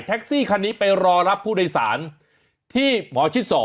ซี่คันนี้ไปรอรับผู้โดยสารที่หมอชิด๒